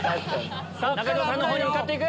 中条さんのほうに向かって行く。